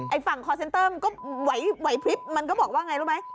ฝั่งคอร์เซ็นเตอร์มันก็ไหวพลิบมันก็บอกว่าไงรู้ไหม